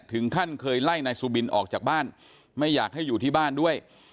ถึงขั้นเคยไล่นายสุบินออกจากบ้านไม่อยากให้อยู่ที่บ้านด้วย